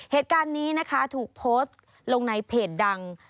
เหตุการณ์นี้นะคะถูกโพสต์ลงในเพจดัง